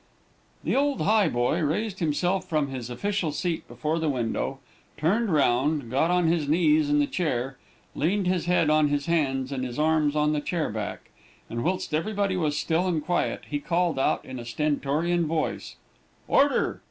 The Higholdboy raised himself from his official seat before the window, turned round, got on his knees in the chair, leaned his head on his hands and his arms on the chair back, and whilst everybody was still and quiet, he called out, in a stentorian voice, "Order."